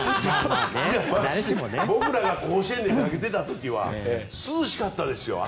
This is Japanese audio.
僕らが甲子園で投げていた時は涼しかったですよ。